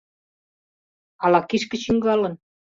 — Ала кишке чӱҥгалын?